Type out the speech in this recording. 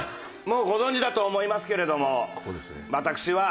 もうご存じだと思いますけれども私は。